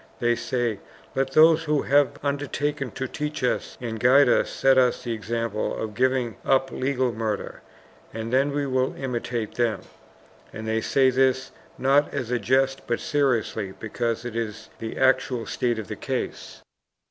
They say: "Let those who have undertaken to teach us and guide us set us the example of giving up legal murder, and then we will imitate them." And they say this, not as a jest, but seriously, because it is the actual state of the case.